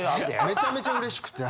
めちゃめちゃうれしくて。